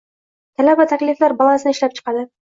Talab va takliflar balansini ishlab chiqadi.